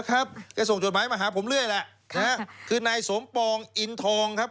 แกส่งจดหมายมาหาผมเรื่อยแหละคือนายสมปองอินทองครับ